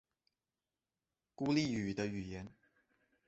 孤立语的语言。